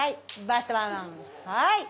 バタンはい。